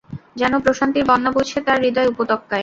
যেন প্রশান্তির বন্যা বইছে তার হৃদয় উপত্যকায়।